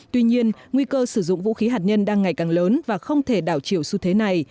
tuy nhiên nguy cơ sử dụng vũ khí hạt nhân đang ngày càng lớn và không thể đảo chiều xu thế này